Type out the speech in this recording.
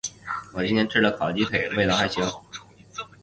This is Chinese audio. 我今天吃了烤鸡腿，味道还行。